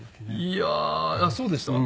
いやそうでした？